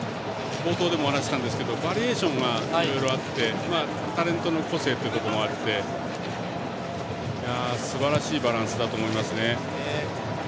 冒頭でもお話しましたがバリエーションがいろいろあってタレントの個性ということもあってすばらしいバランスだと思いますね。